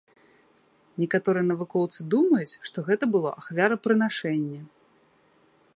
Некаторыя навукоўцы думаюць, што гэта было ахвярапрынашэнне.